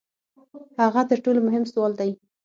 هغه تر ټولو مهم سوال دی.